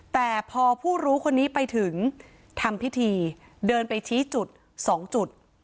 แต่พอผู้รู้คนนี้ไปถึงทำพิธีเดินไปชี้จุด๒จุด